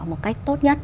một cách tốt nhất